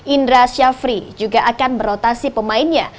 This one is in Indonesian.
indra syafri juga akan merotasi pemainnya